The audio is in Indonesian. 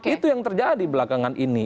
itu yang terjadi belakangan ini